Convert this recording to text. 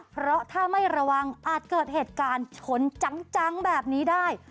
เพราะถ้าไม่ระวังอาจเกิดเหตุการณ์ชนจังแบบนี้ได้